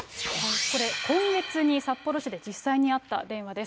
これ、今月に札幌市で実際にあった話です。